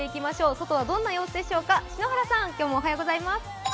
外はどんな様子でしょうか。